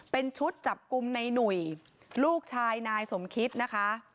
เป็นชุดจับกลุ่มในหนุ่ยลูกชายนายสมคิดนะคะ